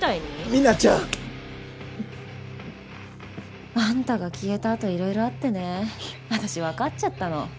ミナちゃん！あんたが消えたあといろいろあってね私わかっちゃったの。